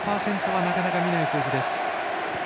７０％はなかなか見ない数字です。